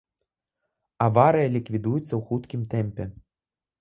Аварыя ліквідуецца ў хуткім тэмпе.